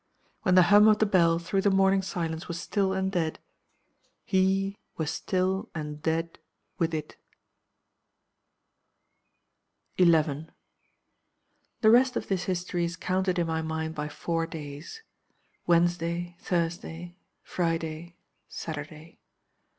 When the hum of the bell through the morning silence was still and dead, he was still and dead with it." 11. "The rest of this history is counted in my mind by four days Wednesday, Thursday, Friday, Saturday.